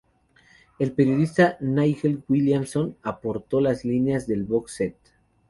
El periodista Nigel Williamson aporto las líneas del box set.